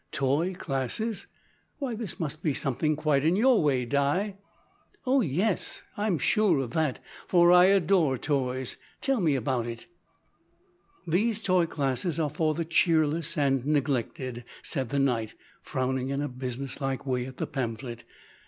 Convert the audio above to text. "Toy Classes, why, this must be something quite in your way, Di." "Oh yes, I'm sure of that, for I adore toys. Tell me about it." "These toy classes are for the cheerless and neglected," said the knight, frowning in a businesslike way at the pamphlet.